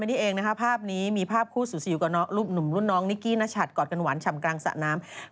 โอ๊ยอันนี้มันเป็นทะเลหรือสะ